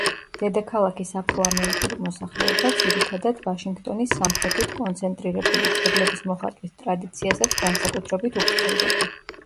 დედაქალაქის აფრო-ამერიკული მოსახლეობა, ძირითადად ვაშინგტონის სამხრეთით კონცენტრირებული, კედლების მოხატვის ტრადიციასაც განსაკუთრებით უფრთხილდება.